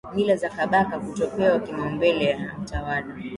mila za Kabaka Kutopewa kipaumbele na utawala